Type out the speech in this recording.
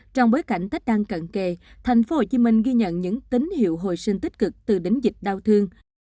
trong bối cảnh tách đang cận kề thành phố hồ chí minh ghi nhận những tín hiệu hồi sinh tích cực từ đính dịch đau thương